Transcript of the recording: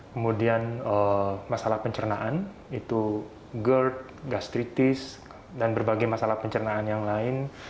kemudian masalah pencernaan itu gerd gastritis dan berbagai masalah pencernaan yang lain